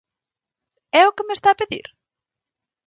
¿É o que me está a pedir?